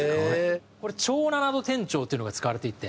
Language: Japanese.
これ長７度転調っていうのが使われていて。